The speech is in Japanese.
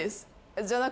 じゃなくて